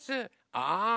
ああ！